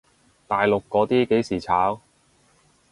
大陸嗰啲幾時炒？